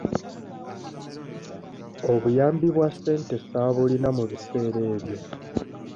Obuyambi bwa ssente ssaabulina mu biseera ebyo.